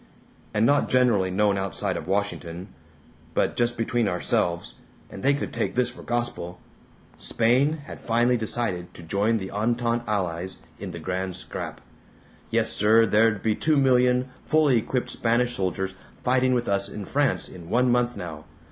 and not generally known outside of Washington but just between ourselves and they could take this for gospel Spain had finally decided to join the Entente allies in the Grand Scrap. Yes, sir, there'd be two million fully equipped Spanish soldiers fighting with us in France in one month now.